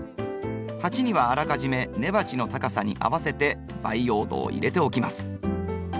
鉢にはあらかじめ根鉢の高さに合わせて培養土を入れておきます。